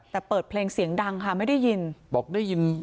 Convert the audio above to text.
แต่เปิดเพลงเสียงดังค่ะไม่ได้ยินบอกได้ยิน